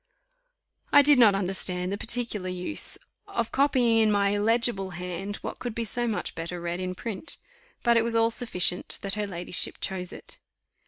I did not understand the particular use of copying in my illegible hand what could be so much better read in print; but it was all sufficient that her ladyship chose it.